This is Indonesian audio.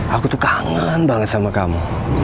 aku tuh kangen banget sama kamu